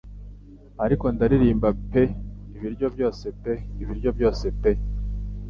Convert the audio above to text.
Ariko ndaririmba pe Ibiryo byose pe ibiryo byose pe